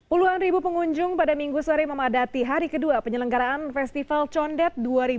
puluhan ribu pengunjung pada minggu sore memadati hari kedua penyelenggaraan festival condet dua ribu dua puluh